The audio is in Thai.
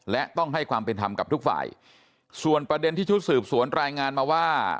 และต้องให้ความเป็นธรรมกับทุกฝ่ายส่วนประเด็นที่ชุดสืบสวนรายงานมาว่า